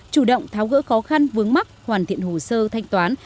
chủ động tháo gỡ khó khăn vướng mắc hoàn thiện hồ sơ thanh toán